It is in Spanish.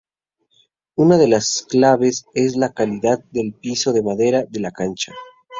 Una de las claves es la calidad del piso de madera de la cancha.